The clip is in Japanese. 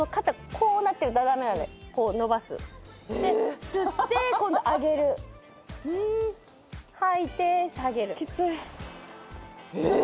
こうなってたらダメなのでこう伸ばす吸って今度上げる吐いて下げるきついええっ！？